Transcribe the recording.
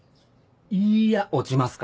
いや落ちますから。